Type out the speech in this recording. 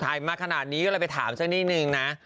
ถ่ายมาขนาดนี้ก็เลยไปถามซักนิดหนึ่งนะ